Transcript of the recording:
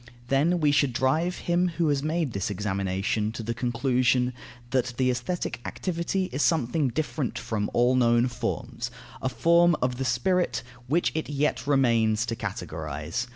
Then we should drive him who has made this examination to the conclusion, that the aesthetic activity is something different from all known forms, a form of the spirit, which it yet remains to characterize.